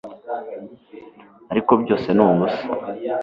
ariko byose nubusa